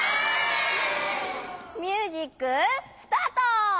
ミュージックスタート！